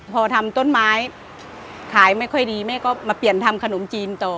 พอทำต้นไม้ขายไม่ค่อยดีแม่ก็มาเปลี่ยนทำขนมจีนต่อ